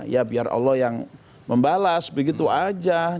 ya biar allah yang membalas begitu aja